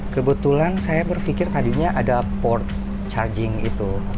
kebetulan saya berpikir tadinya ada port charging itu